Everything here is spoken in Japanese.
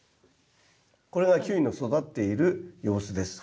これがキュウリの育っている様子です。